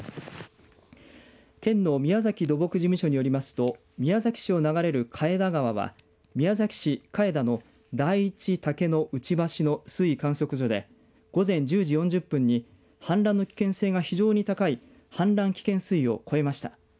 県の宮崎土木事務所によりますと宮崎市を流れる加江田川は、宮崎市加江田の第１竹の内橋の水位観測所で午前１０時４０分に氾濫の危険性が非常に高い氾濫危険水位を超えました。